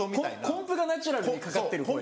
コンプがナチュラルにかかってる声。